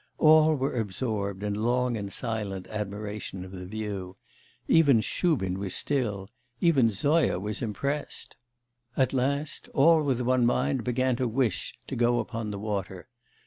All were absorbed in long and silent admiration of the view; even Shubin was still; even Zoya was impressed. At last, all with one mind, began to wish to go upon the water.